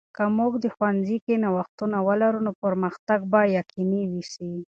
که موږ د ښوونې کې نوښتونه ولرو، نو پرمختګ به یقیني سي.